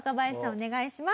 お願いします。